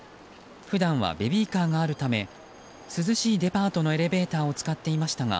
普段は、ベビーカーがあるため涼しいデパートのエレベーターを使っていましたが